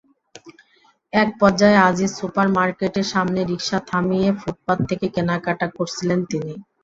একপর্যায়ে আজিজ সুপার মার্কেটের সামনে রিকশা থামিয়ে ফুটপাত থেকে কেনাকাটা করছিলেন তিনি।